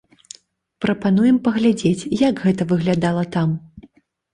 Прапануем паглядзець, як гэта выглядала там.